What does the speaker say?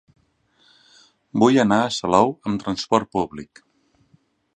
Vull anar a Salou amb trasport públic.